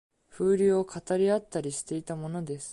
風流を語り合ったりしていたものです